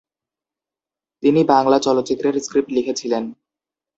তিনি বাংলা চলচ্চিত্রের স্ক্রিপ্ট লিখেছিলেন।